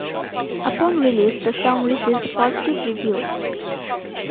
Upon release, the song received positive reviews.